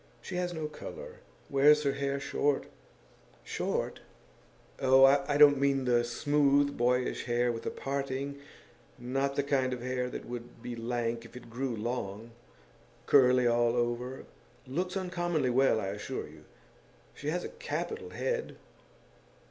She has no colour. Wears her hair short.' 'Short?' 'Oh, I don't mean the smooth, boyish hair with a parting not the kind of hair that would be lank if it grew long. Curly all over. Looks uncommonly well, I assure you. She has a capital head.